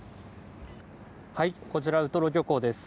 こちら、ウトロ漁港です。